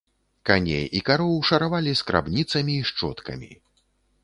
Коней і кароў шаравалі скрабніцамі і шчоткамі.